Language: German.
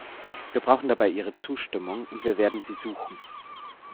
Wir brauchen dabei Ihre Zustimmung, und wir werden sie suchen.